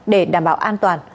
để đảm bảo an toàn